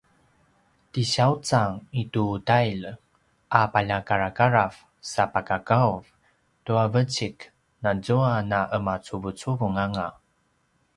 ti siawcang i tu tailj a paljakarakarav sa pagawgav tua vecik nazua na’emacuvunganga